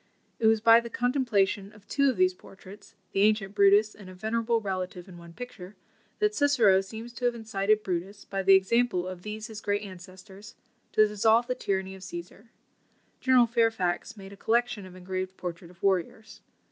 It was by the contemplation of two of these portraits (the ancient Brutus and a venerable relative in one picture) that Cicero seems to have incited Brutus, by the example of these his great ancestors, to dissolve the tyranny of Cæsar. General Fairfax made a collection of engraved portraits of warriors.